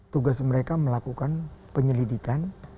tugas mereka melakukan penyelidikan